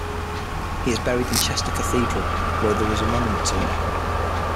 He is buried in Chester Cathedral, where there is a monument to him.